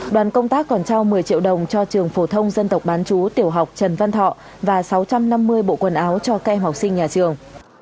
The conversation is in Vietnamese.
đoàn công tác còn trao một mươi triệu đồng cho trường phổ thông dân tộc bán chú tiểu học trần văn thọ và sáu trăm năm mươi bộ quần áo cho các em học sinh nhà trường